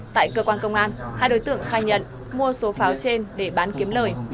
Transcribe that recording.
tại cơ quan công an hai đối tượng khai nhận mua số pháo trên để bán kiếm lời